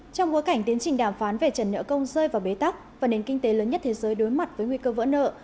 trong bối cảnh tiến trình đàm phán về trần nợ công rơi vào bế tắc và nền kinh tế lớn nhất thế giới đối mặt với nguy cơ vỡ nợ